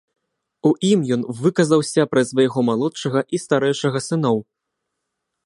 У ім ён выказаўся пра свайго малодшага і старэйшага сыноў.